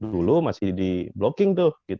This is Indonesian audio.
dulu masih di blocking